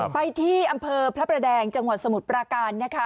ไปที่อำเภอพระประแดงจังหวัดสมุทรปราการนะคะ